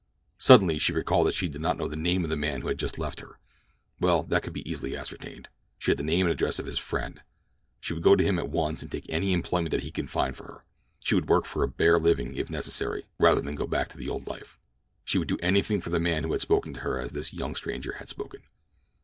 Suddenly she recalled that she did not know the name of the man who had just left her. Well, that could easily be ascertained. She had the name and address of his friend. She would go to him at once and take any employment that he could find for her. She would work for a bare living, if necessary, rather than go back to the old life. She would do anything for the man who had spoken to her as this young stranger had spoken.